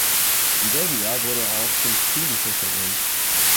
Im selben Jahr wurde er auch zum Friedensrichter ernannt.